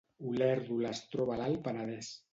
Olèrdola es troba a l’Alt Penedès